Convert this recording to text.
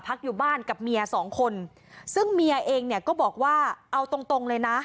อยู่บ้านกับเมียสองคนซึ่งเมียเองเนี่ยก็บอกว่าเอาตรงตรงเลยนะ